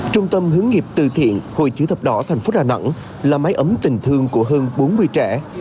trung tâm hướng nghiệp từ thiện hội chữ thập đỏ thành phố đà nẵng là máy ấm tình thương của hơn bốn mươi trẻ